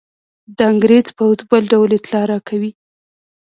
د انګرېز پوځ بل ډول اطلاع راکوي.